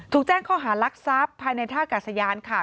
ถูกแจ้งข้อหารรักทราบภายในท่ากัดสยานค่ะ